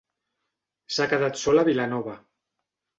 S'ha quedat sola a Vilanova.